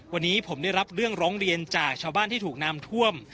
วันนี้ผมได้รับเรื่องร้องเรียนจากชาวบ้านที่ถูกน้ำท่วม